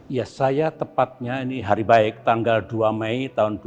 ya saya tepatnya ini hari baik tanggal dua mei dua ribu dua puluh